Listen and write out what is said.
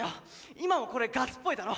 今もこれガスっぽいだろ。